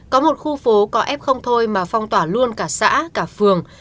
có một khu phố có f không thôi mà phong tỏa luôn cả xã cả phường